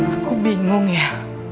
aku bingung ya